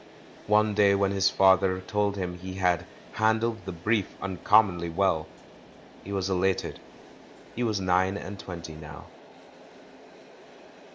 One day when his father told him he had "han dled the brief uncommonly well," he was elated. He was nine and twenty now.